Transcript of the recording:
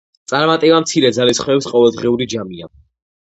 წარმატება მცირე ძალისხმევის ყოველდღიური ჯამია.